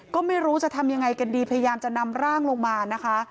ก็ไม่รู้จะทำยังไงกันดีพยายามจะนำร่างลงมานะคะ